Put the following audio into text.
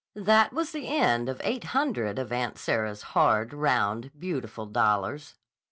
That was the end of eight hundred of Aunt Sarah's, hard, round, beautiful dollars.